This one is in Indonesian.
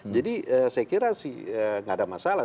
jadi saya kira sih tidak ada masalah